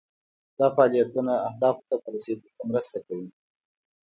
دا فعالیتونه اهدافو ته په رسیدو کې مرسته کوي.